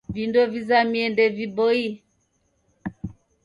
Vindo vizamie ndeviboie